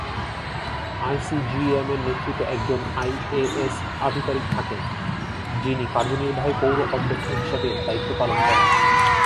এমসিজিএম-এর নেতৃত্বে একজন আইএএস আধিকারিক থাকেন, যিনি কার্যনির্বাহী পৌর অধ্যক্ষ হিসাবে দায়িত্ব পালন করেন।